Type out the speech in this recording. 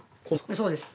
そうですね。